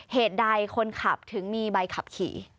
เหตุใดคนขับถึงมีใบขับขี่